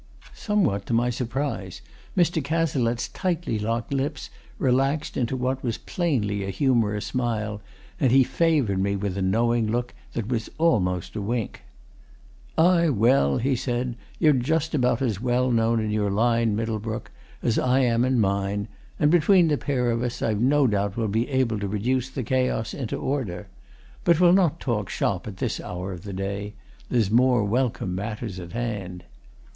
Somewhat to my surprise, Mr. Cazalette's tightly locked lips relaxed into what was plainly a humorous smile, and he favoured me with a knowing look that was almost a wink. "Aye, well," he said, "you're just about as well known in your own line, Middlebrook, as I am in mine, and between the pair of us I've no doubt we'll be able to reduce chaos into order. But we'll not talk shop at this hour of the day there's more welcome matters at hand."